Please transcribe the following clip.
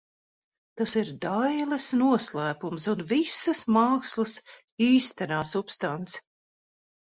Tas ir dailes noslēpums un visas mākslas īstenā substance.